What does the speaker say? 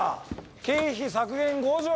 経費削減５条。